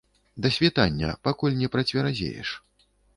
Да світання, пакуль не працверазееш.